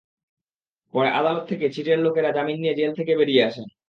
পরে আদালত থেকে ছিটের লোকেরা জামিন নিয়ে জেল থেকে বেরিয়ে আসেন।